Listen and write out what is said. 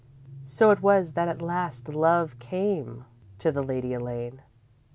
_ _So it was that at last Love came to the Lady Elaine.